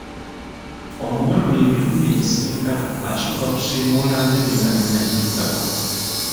Omuwala oyo emirundi egisinga asooka kusiimuula ntebe nga tannagituulako.